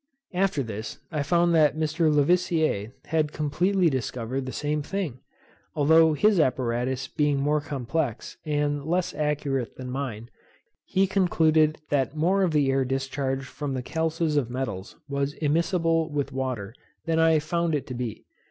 After this, I found that Mr. Lavoisier had completely discovered the same thing, though his apparatus being more complex, and less accurate than mine, he concluded that more of the air discharged from the calces of metals was immiscible with water than I found it to be.